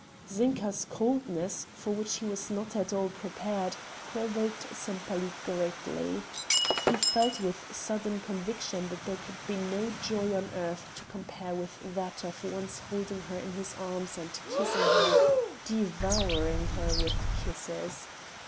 Zinka's coldness, for which he was not at all prepared, provoked Sempaly greatly. He felt with sudden conviction that there could be no joy on earth to compare with that of once holding her in his arms and kissing her devouring her with kisses.